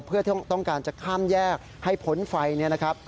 เพื่อต้องการจะข้ามแยกให้พ้นไฟเนี่ยนะครับ